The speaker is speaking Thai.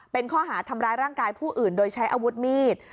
เป็นข้อหาทำร้ายร่างกายผู้อื่นโดยใช้อาวุธมีด